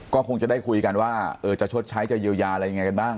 ก็คงจะได้คุยกันว่าจะชดใช้จะเยียวยาอะไรยังไงกันบ้าง